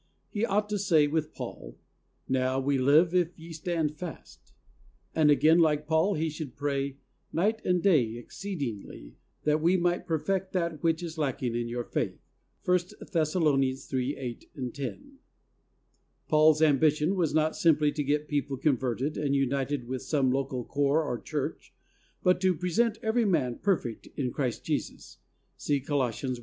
He ought to say with Paul, "Now we live if ye stand fast," and again like Paul he should pray "night and day exceedingly that we might perfect that which is lacking in your faith." (i Thess. 3: 8, 10.) Paul's ambition was not simply to get people converted and united with some local corps or church, but to "pre sent every man perfect in Christ Jesus." (See Col. i: 28.)